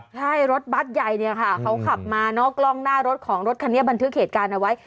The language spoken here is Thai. ใช่รถบัตรใหญ่เนี่ยค่ะเขาขับมาเนอะกล้องหน้ารถของรถคันนี้บันทึกเหตุการณ์เอาไว้